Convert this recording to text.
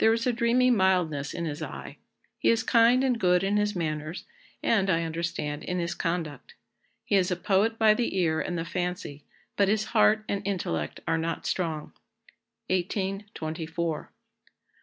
There is a dreamy mildness in his eye; he is kind and good in his manners and, I understand, in his conduct. He is a poet by the ear and the fancy, but his heart and intellect are not strong." 1824. [Sidenote: S. C.